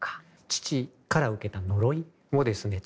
父から受けた呪いをですね